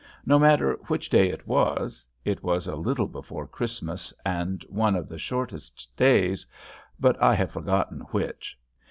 No matter which day it was, it was a little before Christmas, and one of the shortest days, but I have forgotten which.